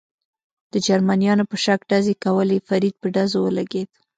د جرمنیانو په شک ډزې کولې، فرید په ډزو ولګېد.